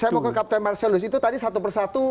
saya mau ke kapten marcelus itu tadi satu persatu